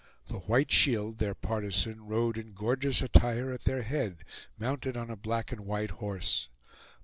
The White Shield, their partisan, rode in gorgeous attire at their head, mounted on a black and white horse.